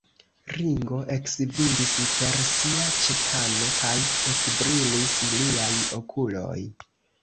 Ringo eksvingis per sia ĉekano, kaj ekbrilis liaj okuloj.